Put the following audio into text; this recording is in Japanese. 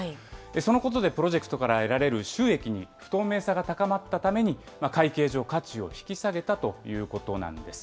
そのことでプロジェクトから得られる収益に不透明さが高まったために、会計上、価値を引き下げたということなんです。